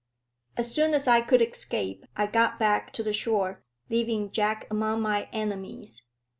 As soon as I could escape, I got back to the shore, leaving Jack among my enemies.